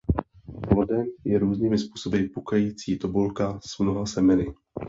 Plodem je různými způsoby pukající tobolka s mnoha semeny.